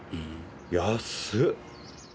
安っ。